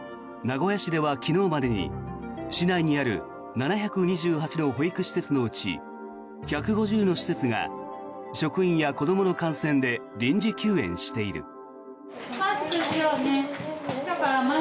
名古屋市では昨日までに市内にある７２８の保育施設のうち１５０の施設が職員や子どもの感染で臨時休園している。